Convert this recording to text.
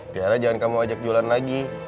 tiara jangan kamu ajak jualan lagi